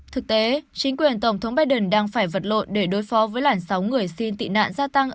thực tế chính quyền tổng thống biden đang phải vật lộn để đối phó với làn sóng người xin tị nạn gia tăng